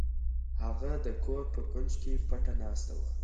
هغه د کور په کونج کې پټه ناسته وه.